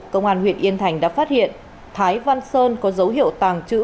công an huyện yên thành đã phát hiện thái văn sơn có dấu hiệu tàng trữ